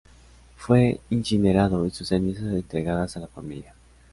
Fue incinerado, y sus cenizas entregadas a la familia.